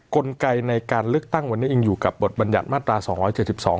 กลไกในการเลือกตั้งวันนี้ยังอยู่กับบทบัญญัติมาตราสองร้อยเจ็ดสิบสอง